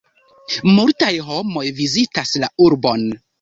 Multaj homoj vizitas la urbon.